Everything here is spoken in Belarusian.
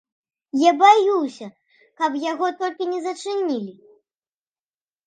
Я баюся, каб яго толькі не зачынілі.